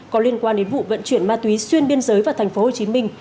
có liên quan đến vụ vận chuyển ma túy xuyên biên giới vào thành phố hồ chí minh